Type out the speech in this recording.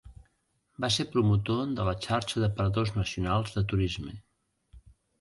Va ser promotor de la xarxa de Paradors Nacionals de Turisme.